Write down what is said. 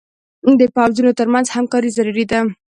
د پوځونو تر منځ همکاري ضروري ده.